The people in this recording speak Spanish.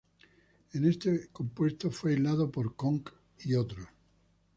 Este compuesto fue aislado por Kong "et.